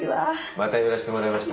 また寄らせてもらいました。